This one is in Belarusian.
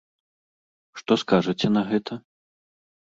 Што скажаце на гэта?